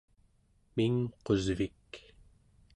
mingqusvik